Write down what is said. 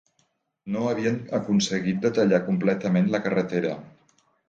No havien aconseguit de tallar completament la carretera